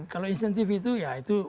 kalau insentif itu ya itu